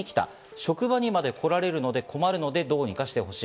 職場にまで来られるので、困るので、どうにかしてほしい。